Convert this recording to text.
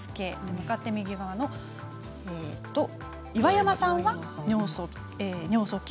向かって右側の岩山さんは尿素系。